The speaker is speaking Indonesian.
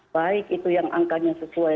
baik itu yang angkanya sesuai